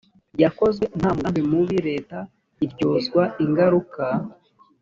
yakozwe nta mugambi mubi leta iryozwa ingaruka